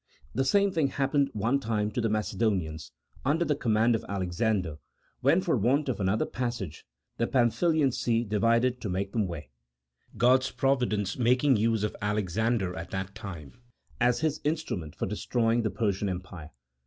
The same thing happened one time to the Macedonians, under the command of Alexander, when for want of another passage the Pamphylian Sea divided to make them way; God's Providence making use of Alexander at that time as His instrument for destroying the Persian Empire.